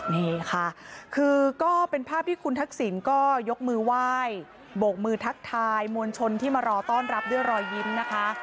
นี่ค่ะคือก็เป็นภาพที่คุณทักษิณก็ยกมือไหว้โบกมือทักทายมวลชนที่มารอต้อนรับด้วยรอยยิ้มนะคะ